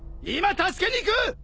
今助けに行く！